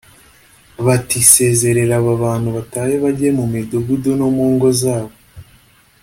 bati sezerera aba bantu batahe bajye mu midugudu no mu ngo zabo